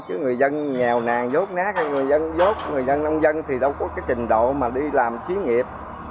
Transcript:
chứ người dân nghèo nàng vốt nát hay người dân vốt người dân nông dân thì đâu có cái trình độ mà đi làm chí nghiệp